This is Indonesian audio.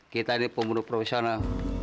kita ini pembunuh profesional